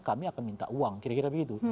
kami akan minta uang kira kira begitu